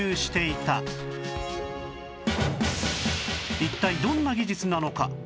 一体どんな技術なのか？